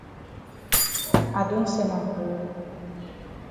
I don sen am for you.